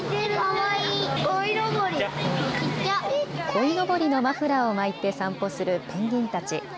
こいのぼりのマフラーを巻いて散歩するペンギンたち。